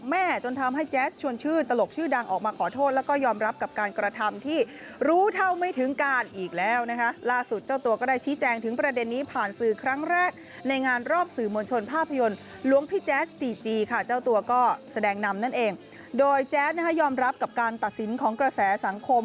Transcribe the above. จนทำให้แจ๊สชวนชื่นตลกชื่อดังออกมาขอโทษแล้วก็ยอมรับกับการกระทำที่รู้เท่าไม่ถึงการอีกแล้วนะคะล่าสุดเจ้าตัวก็ได้ชี้แจงถึงประเด็นนี้ผ่านสื่อครั้งแรกในงานรอบสื่อมวลชนภาพยนตร์หลวงพี่แจ๊สซีจีค่ะเจ้าตัวก็แสดงนำนั่นเองโดยแจ๊ดนะคะยอมรับกับการตัดสินของกระแสสังคม